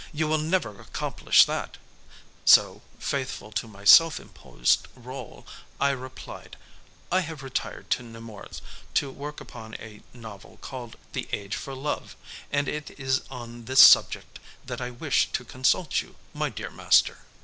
You will never accomplish that;" so, faithful to my self imposed rôle, I replied, "I have retired to Nemours to work upon a novel called The Age for Love, and it is on this subject that I wished to consult you, my dear master."